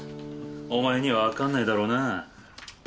お前には分かんないだろうな。